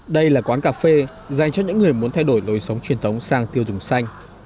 đây là quán cà phê dành cho những người muốn thay đổi lối sống truyền thống sang tiêu dùng xanh